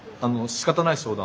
しかたがない商談。